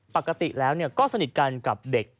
ปกติแล้วก็สนิทกันกับเด็ก